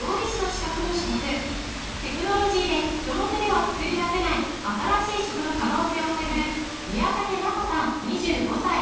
テクノロジーで人の手では作り出せない新しい食の可能性を探る宮武茉子さん２５歳。